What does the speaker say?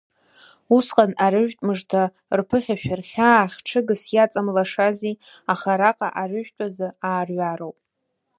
Усҟан арыжәтә мыжда рԥыхьашәар, хьаа хҽыгас иаҵамлашази, аха араҟа арыжәтәазы аарҩароуп!